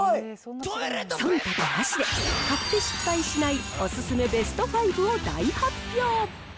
そんたくなしで、買って失敗しないお勧めベスト５を大発表。